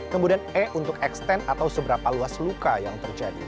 kemudian e untuk extend atau seberapa luas luka yang terjadi